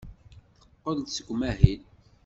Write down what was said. Teqqel-d seg umahil.